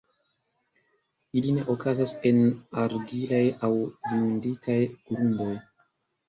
Ili ne okazas en argilaj aŭ inunditaj grundoj.